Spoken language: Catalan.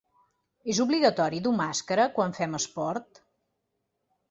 És obligatori dur màscara quan fem esport?